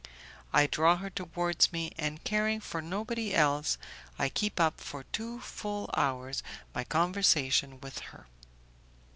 I draw her towards me, and caring for nobody else, I keep up for two full hours my conversation with her.